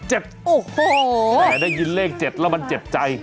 โอ้โหได้ยินเลข๗แล้วมันเจ็บใจ